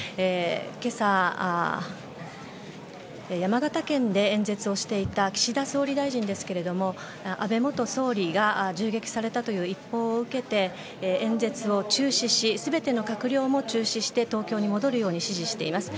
今朝、山形県で演説をしていた岸田総理大臣ですが安倍元総理が銃撃されたという一報を受けて演説を中止し、全ての閣僚も中止して東京に戻るように指示しています。